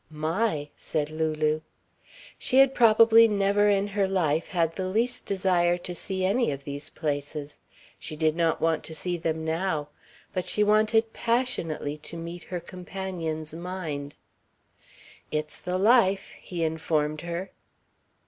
"My!" said Lulu. She had probably never in her life had the least desire to see any of these places. She did not want to see them now. But she wanted passionately to meet her companion's mind. "It's the life," he informed her.